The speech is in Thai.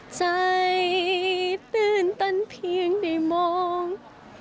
ใจตื่นตันเพียงไม่มอง